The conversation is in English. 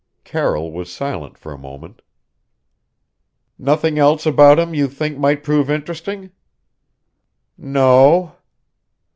Carroll was silent for a moment. "Nothing else about him you think might prove interesting?" "No o."